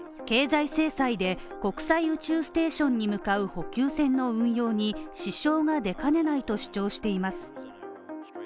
経済制裁で国際宇宙ステーションに向かう補給船の運用に支障が出かねないと主張しています。